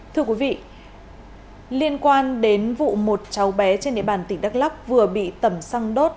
thưa quý vị liên quan đến vụ một cháu bé trên địa bàn tỉnh đắk lắk vừa bị tẩm xăng đốt